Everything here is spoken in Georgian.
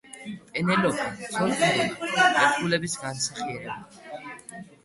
პენელოპე ცოლქმრული ერთგულების განსახიერებაა.